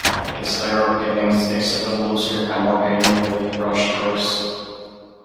His later paintings exhibit looser, more painterly brushstrokes.